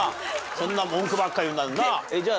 そんな文句ばっか言うならなあ。